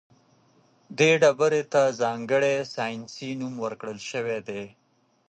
دې ډبرې ته ځانګړی ساینسي نوم ورکړل شوی دی.